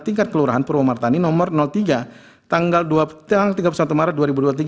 tingkat kelurahan purwomartani nomor tiga tanggal tiga puluh satu maret dua ribu dua puluh tiga